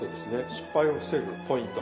失敗を防ぐポイント。